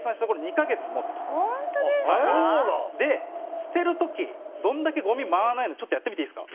捨てる時どれだけゴミ舞わないのちょっとやってみていいですか。